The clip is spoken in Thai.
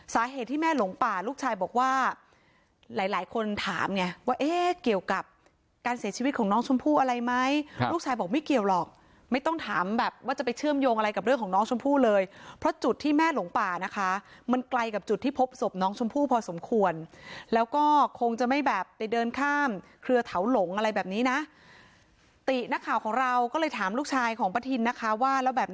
สาเหตุที่แม่หลงป่าลูกชายบอกว่าหลายหลายคนถามไงว่าเอ๊ะเกี่ยวกับการเสียชีวิตของน้องชมพู่อะไรไหมลูกชายบอกไม่เกี่ยวหรอกไม่ต้องถามแบบว่าจะไปเชื่อมโยงอะไรกับเรื่องของน้องชมพู่เลยเพราะจุดที่แม่หลงป่านะคะมันไกลกับจุดที่พบศพน้องชมพู่พอสมควรแล้วก็คงจะไม่แบบไปเดินข้ามเครือเถาหลงอะไรแบบนี้นะตินักข่าวของเราก็เลยถามลูกชายของประทินนะคะว่าแล้วแบบ